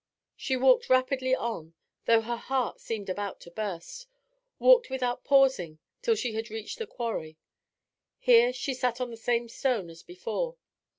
She walked rapidly on, though her heart seemed about to burst, walked without pausing till she had reached the quarry. Here she sat on the same stone as before.